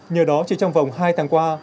nhờ đó chỉ trong vòng hai tháng qua